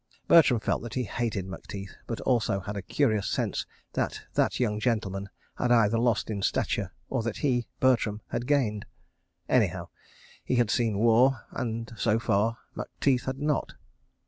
Bertram felt that he hated Macteith, but also had a curious sense that that young gentleman had either lost in stature or that he, Bertram, had gained. ... Anyhow he had seen War, and, so far, Macteith had not.